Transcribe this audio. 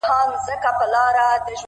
• خدایه ما خپل وطن ته بوزې,